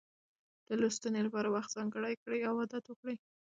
د لوستنې لپاره وخت ځانګړی کړئ او عادت وکړئ.